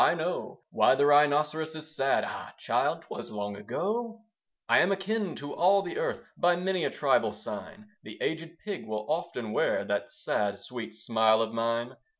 I know Why the Rhinoceros is sad, Ah, child! 'twas long ago. I am akin to all the Earth By many a tribal sign: The aged Pig will often wear That sad, sweet smile of mine.